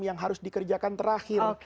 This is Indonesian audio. yang harus dikerjakan terakhir